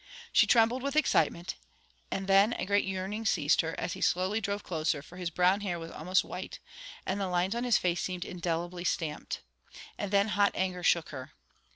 She trembled with excitement, and than a great yearning seized her, as he slowly drove closer, for his brown hair was almost white, and the lines on his face seemed indelibly stamped. And then hot anger shook her.